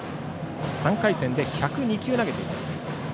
３回戦で１０２球投げています。